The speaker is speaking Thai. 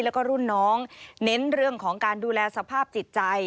แล้วก็รุ่นน้องเน้นเรื่องของการดูแลสภาพจิตใจ